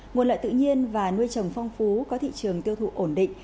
nguồn lợi tự nhiên và nuôi trồng phong phú có thị trường tiêu thụ ổn định